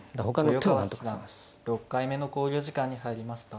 豊川七段６回目の考慮時間に入りました。